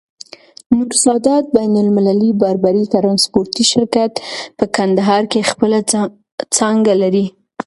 نور سادات بين المللی باربری ترانسپورټي شرکت، په کندهار کي خپله څانګه لری.